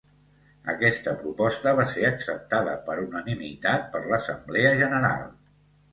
Aquesta proposta va ser acceptada per unanimitat per l'Assemblea General.